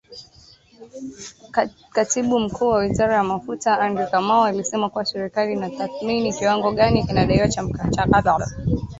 Katibu Mkuu wa Wizara ya Mafuta Andrew Kamau alisema kuwa serikali inatathmini kiwango gani kinadaiwa na mchakato huo.